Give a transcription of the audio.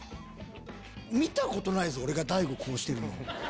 見たことないぞ俺大悟がこうしてるの。